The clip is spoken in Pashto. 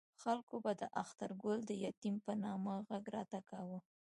خلکو به د اخترګل د یتیم په نامه غږ راته کاوه.